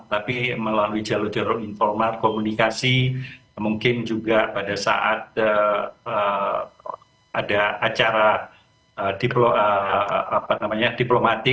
tapi melalui jalur jalur informal komunikasi mungkin juga pada saat ada acara diplomatik